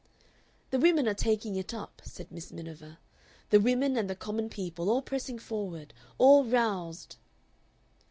"The women are taking it up," said Miss Miniver; "the women and the common people, all pressing forward, all roused."